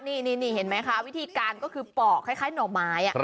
นี่เห็นไหมคะวิธีการก็คือปอกคล้ายหน่อไม้